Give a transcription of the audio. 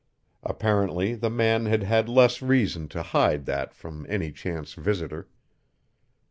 Apparently the man had had less reason to hide that from any chance visitor.